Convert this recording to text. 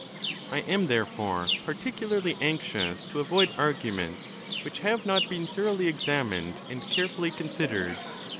I am, therefore, particularly anxious to avoid arguments which have not been thoroughly examined and carefully considered.